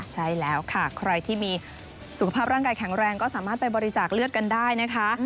ใช่แล้วค่ะใครที่มีสุขภาพร่างกายแข็งแรงก็สามารถไปบริจาคเลือดกันได้นะคะ